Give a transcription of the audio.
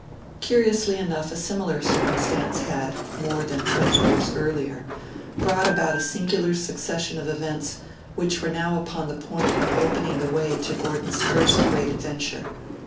Curiously enough a similar circumstance had, more than twenty years earlier, brought about a singular succession of events which were now upon the point of opening the way to Gordon's first great adventure.